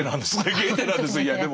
ゲーテなんですよいやでも。